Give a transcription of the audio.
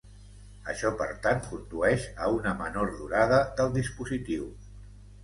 Això per tant condueix a una menor durada del dispositiu.